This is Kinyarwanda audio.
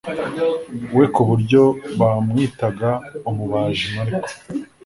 we ku buryo bamwitaga umubaji mariko